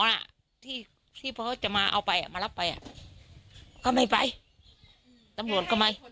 แล้วที่ที่พ่อจะมาเอาไปเมื่อรับไปอ่ะก็ไม่ไปตำรวล